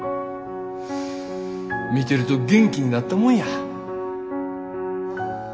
見てると元気になったもんや。